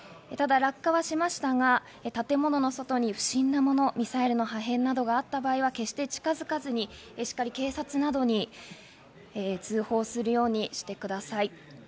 ただ落下はしましたが、建物の外に不審なもの、ミサイルの破片などがあった場合は決して近づかずにしっかり警察などに通報するようにしてください。